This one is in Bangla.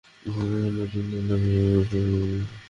যদি আমি চুক্তি ভঙ্গ করে যুদ্ধে নামি আর মুসলমানরা বিজয়ী হয়?